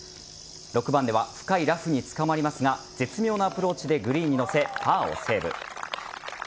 ６番では深いラフにつかまりますが絶妙なアプローチでグリーンに乗せ、パーをセーブ。